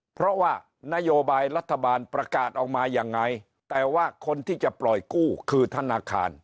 เพราะว่านโยบายรัฐบาลประกาศออกมายังไงแต่ว่าคนที่จะปล่อยกู้คือธนาคาร